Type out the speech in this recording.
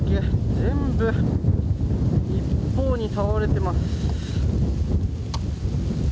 全部、一方に倒れています。